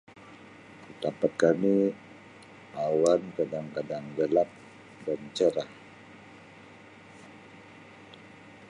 Di tempat kami awan kadang-kadang gelap dan cerah.